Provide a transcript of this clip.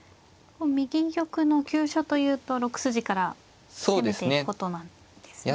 右玉の急所というと６筋から攻めていくことなんですね。